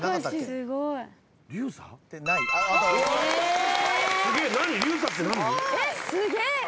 ・すげえ！